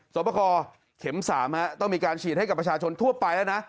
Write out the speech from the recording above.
สอบประคอเข็ม๓ต้องมีการฉีดให้กับประชาชนทั่วไปแล้วนะ